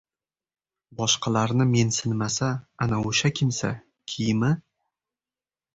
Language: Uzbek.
boshqalarni mensimasa, ana o‘sha kimsa – kiyimi